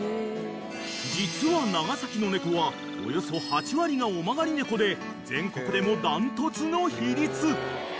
［実は長崎の猫はおよそ８割が尾曲がり猫で全国でも断トツの比率］